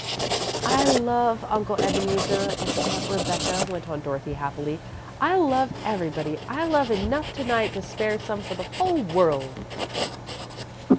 "I love Uncle Ebeneezer and Aunt Rebecca," went on Dorothy, happily. "I love everybody. I've love enough to night to spare some for the whole world."